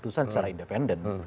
keputusan secara independen